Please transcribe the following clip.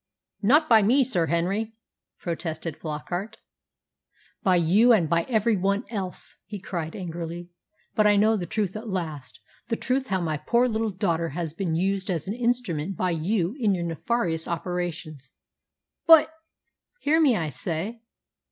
"Not by me, Sir Henry," protested Flockart. "By you and by every one else," he cried angrily. "But I know the truth at last the truth how my poor little daughter has been used as an instrument by you in your nefarious operations." "But " "Hear me, I say!"